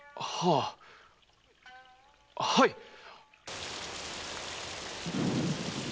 はあはい！